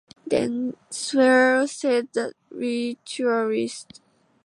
"Then swear," said the ritualist.